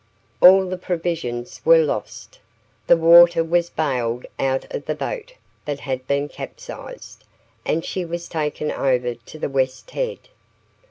All the provisions were lost. The water was baled out of the boat that had been capsized, and she was taken over to the west head.